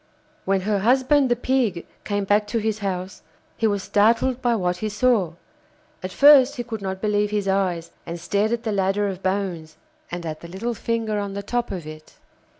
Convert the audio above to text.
When her husband, the Pig, came back to his house, he was startled by what he saw. At first he could not believe his eyes, and stared at the ladder of bones, and at the little finger on the top of it.